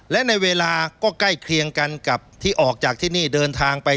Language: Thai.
และในเวลาก็ใกล้เคียงกันกับที่ออกจากที่นี่เดินทางไป